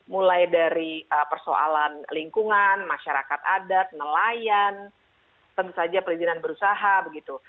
mulai dari persoalan lingkungan masyarakat adat nelayan tentu saja perizinan berusaha begitu